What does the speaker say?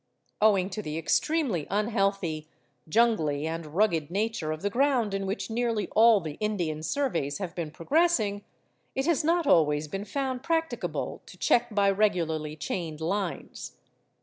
Owing to the extremely unhealthy, jungly, and rugged nature of the ground in which nearly all the Indian surveys have been progressing, it has not always been found practicable to check by regularly chained lines.